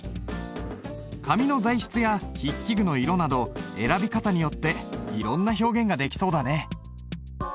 紙の材質や筆記具の色など選び方によっていろんな表現ができそうだね。